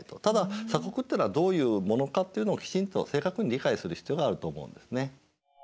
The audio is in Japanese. ただ鎖国ってのはどういうものかっていうのをきちんと正確に理解する必要があると思うんですね。